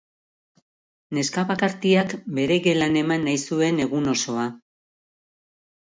Neska bakartiak bere gelan eman nahi zuen egun osoa.